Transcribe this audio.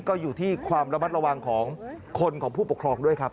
ก็อยู่ที่ความระมัดระวังของคนของผู้ปกครองด้วยครับ